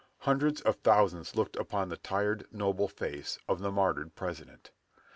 Hundreds of thousands looked upon the tired, noble face of the martyred President.